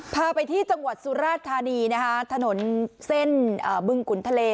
พาไปที่จังหวัดสุราธานีนะคะถนนเส้นบึงขุนทะเล